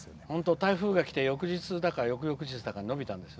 台風がきて翌日だか翌々日だかに延びたんですよ